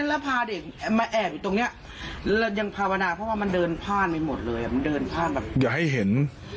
เพราะว่าเราก็มานี้ยังไม่ทันให้จอดรถแล้วคือจะมาเอากระเป๋าไงเพราะว่าไม่ได้เปิดร้านอยู่แล้ว